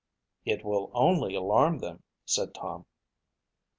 "It will only alarm them," said Tom.